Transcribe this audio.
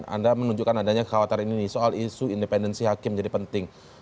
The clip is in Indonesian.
anda menunjukkan adanya kekhawatiran ini soal isu independensi hakim menjadi penting